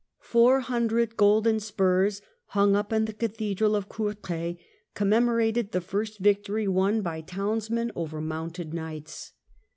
Four hundred golden spurs hung up in the Ca thedral of Courtrai commemorated the first victory won by townsmen over mounted knights.